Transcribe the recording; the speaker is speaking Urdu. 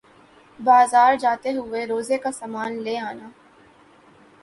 بازار جاتے ہوئے روزہ کا سامان لے آنا